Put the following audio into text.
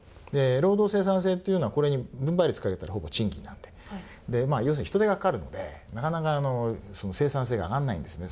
労働生産性っていうのはこれに分配率かけたらほぼ賃金なんで要するに人手がかかるのでなかなか生産性が上がんないんですね